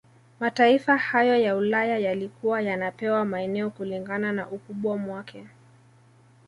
Mataifa hayo ya Ulaya yalikuwa yanapewa maeneo kilingana na ukubwamwake